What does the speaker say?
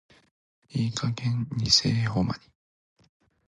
いい加減偽絵保マニ。